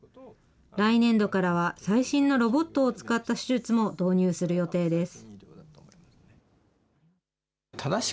来年度からは、最新のロボットを使った手術も導入する予定です。